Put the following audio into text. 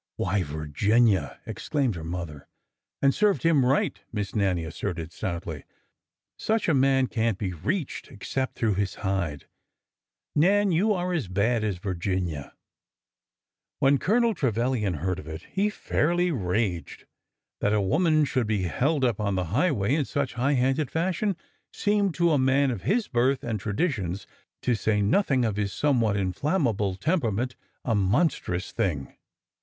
" Why, Virginia! " exclaimed her mother. " And served him right 1 " Miss Nannie asserted stoutly. " Such a man can't be reached except through his hide !"" Nan, you are as bad as Virginia !" When Colonel Trevilian heard of it he fairly raged. That a woman should be held up on the highway in such high handed fashion seemed to a man of his birth and traditions— to say nothing of his somewhat inflammable temperament— a monstrous thing.